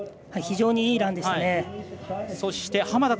非常にいいランでしたね。